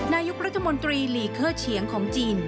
นายกรัฐมนตรีลีเคอร์เฉียงของจีน